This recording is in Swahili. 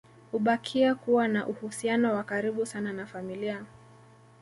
Hubakia kuwa na uhusiano wa karibu sana na familia